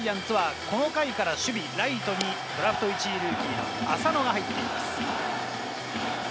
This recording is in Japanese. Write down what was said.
ジャイアンツはこの回から守備にはライトにドラフト１位ルーキー・浅野が入っています。